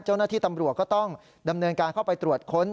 เจ้าหน้าที่ตำรวจก็ต้องดำเนินการเข้าไปตรวจค้น